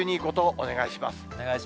お願いします。